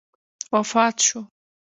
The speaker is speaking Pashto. وفات شو.